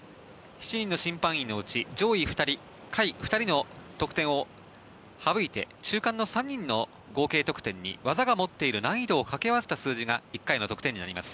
７人の審判員のうち上位２人下位２人の得点を省いて中間の３人の合計得点に技が持っている難易度を掛け合わせた得点が１回の得点になります。